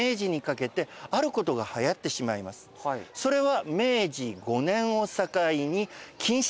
それは。